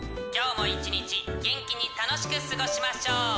今日も１日元気に楽しく過ごしましょう。